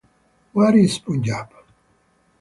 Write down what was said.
Where is Punjab?